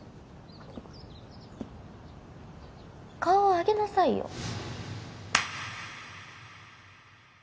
顔を上げなさいよ